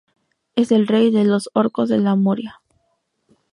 Es el rey de los Orcos de Moria.